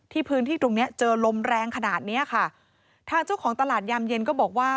พื้นที่ตรงเนี้ยเจอลมแรงขนาดเนี้ยค่ะทางเจ้าของตลาดยามเย็นก็บอกว่า